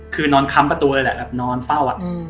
คือนอนค้ำประตูเลยแหละแบบนอนเฝ้า